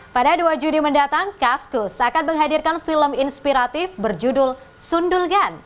pada dua juni mendatang kaskus akan menghadirkan film inspiratif berjudul sundulgan